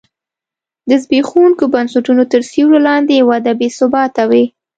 د زبېښونکو بنسټونو تر سیوري لاندې وده بې ثباته وي.